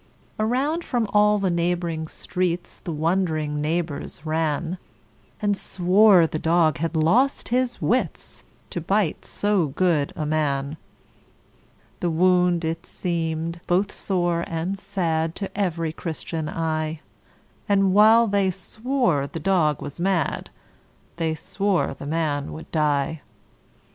Around from all the neighboring streets The wond'ring neighbors ran, And swore the dog had lost his wits, To bite so good a man. The wound it seem'd both sore and sad To every Christian eye; And while they swore the dog was mad, They swore the man would die.